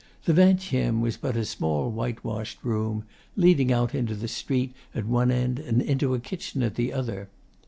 The Vingtieme was but a small whitewashed room, leading out into the street at one end and into a kitchen at the other.